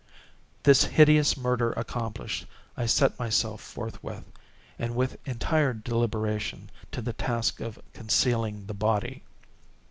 This hideous murder accomplished, I set myself forthwith, and with entire deliberation, to the task of concealing the body.